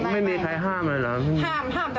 แล้วแฟนเขาก็ไม่พูดอะไรเลยนะซ้อมอย่างเดียวเลย